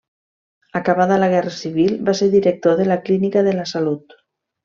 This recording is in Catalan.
Acabada la Guerra Civil, va ser director de la Clínica de la Salut.